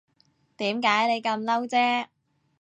點解你咁嬲啫